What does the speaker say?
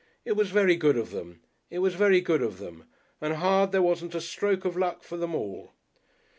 It was very good of them, it was very good of them, and hard there wasn't a stroke of luck for them all!